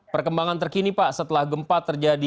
perkembangan terkini pak setelah gempa terjadi